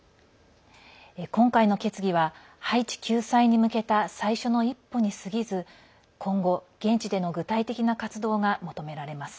今回の決議はハイチ救済に向けた最初の一歩にすぎず今後、現地での具体的な活動が求められます。